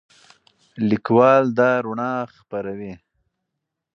لیکوال دا رڼا خپروي.